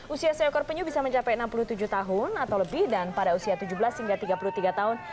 usia seekor penyu bisa mencapai enam puluh tujuh tahun atau lebih dan pada usia tujuh belas hingga tiga puluh tiga tahun